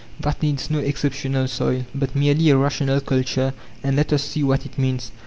That needs no exceptional soil, but merely a rational culture; and let us see what it means.